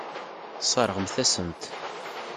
Tesseṛɣemt-asen-t.